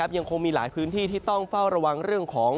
ยังคงมีหลายพื้นที่ที่ต้องเฝ้าระวังเรื่องของ